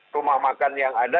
rumah makan yang ada